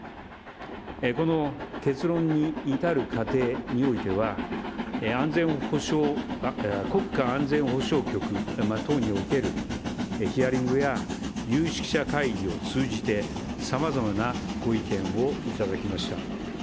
この結論に至る過程においては国家安全保障局等におけるヒアリングや有識者会議を通じてさまざまなご意見をいただきました。